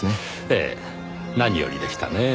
ええ。何よりでしたねぇ。